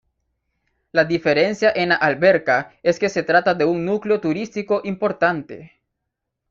La diferencia en La Alberca es que se trata de un núcleo turístico importante.